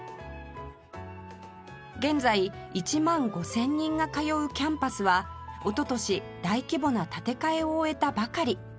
現在１万５０００人が通うキャンパスはおととし大規模な建て替えを終えたばかり